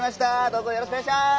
どうぞよろしくおねがいします！